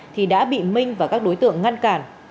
thì đã bị minh và các đối tượng ngăn cản